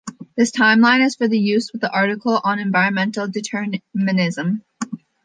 This timeline is for use with the article on environmental determinism.